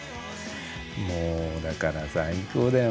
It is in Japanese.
もうだから最高だよ。